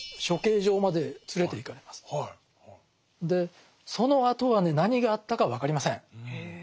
でそのあとはね何があったか分かりません。